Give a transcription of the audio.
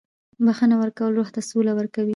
• بخښنه ورکول روح ته سوله ورکوي.